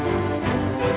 tidak ada bangsa